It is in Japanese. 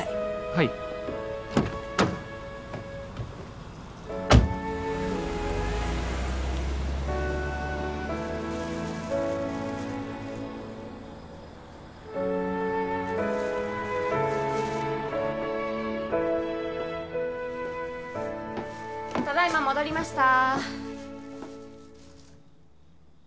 はいただいま戻りました